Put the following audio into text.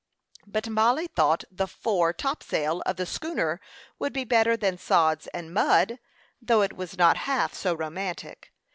But Mollie thought the fore topsail of the schooner would be better than sods and mud, though it was not half so romantic.